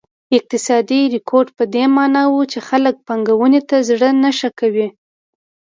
اقتصادي رکود په دې معنا و چې خلک پانګونې ته زړه نه ښه کړي.